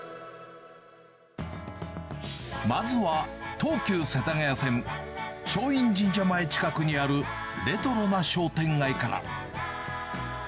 まずは東急世田谷線松陰神社前近くにあるレトロな商店街から。